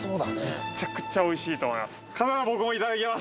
めちゃくちゃおいしいと思います